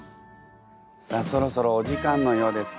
さあそろそろお時間のようです。